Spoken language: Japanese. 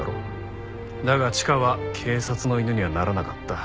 だがチカは警察の犬にはならなかった。